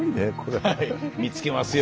はい見つけますよ。